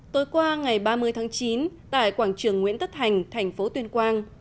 tối qua ngày ba mươi tháng chín tại quảng trường nguyễn tất thành thành phố tuyên quang